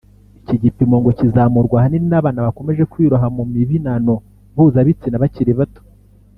Iki gipimo ngo kizamurwa ahanini n’abana bakomeje kwiroha mu mibinano mpuzabitsina bakiri bato